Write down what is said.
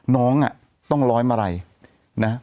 น้องต้องร้อยมาลัยนะ